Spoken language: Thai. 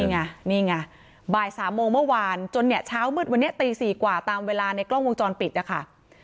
นี่ไงนี่ไงบ่าย๓โมงเมื่อวานจนเนี่ยเช้ามืดวันนี้ตี๔กว่าตามเวลาในกล้องวงจรปิดนะคะ